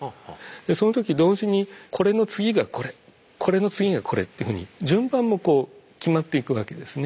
でその時同時にこれの次がこれこれの次がこれっていうふうに順番もこう決まっていくわけですね。